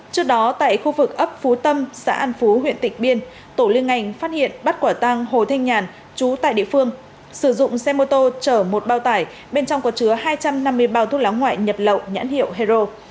trước đó tại khu vực ấp phú tâm xã an phú huyện tịnh biên tổ liên ngành phát hiện bắt quả tăng hồ thanh nhàn chú tại địa phương sử dụng xe mô tô chở một bao tải bên trong có chứa hai trăm năm mươi bao thuốc lá ngoại nhập lậu nhãn hiệu hero